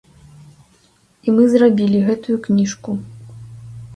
І мы зрабілі гэтую кніжку.